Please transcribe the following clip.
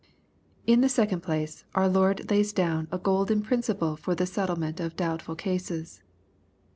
In the second place, our Lord lays down a golden prin mple for the settlement of doubtful cases.